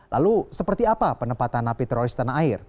lalu seperti apa penempatan napi teroris tanah air